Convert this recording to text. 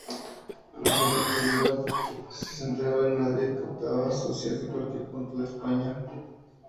Aunque su actividad se centraba en Madrid, captaba socias de cualquier punto de España.